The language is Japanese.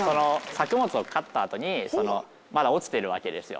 作物を刈ったあとにまだ落ちてるわけですよ